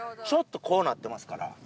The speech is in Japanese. ちょっとこうなってますから。